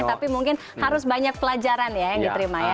tapi mungkin harus banyak pelajaran ya yang diterima ya